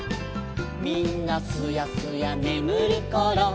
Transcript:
「みんなすやすやねむるころ」